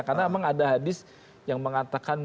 karena memang ada hadis yang mengatakan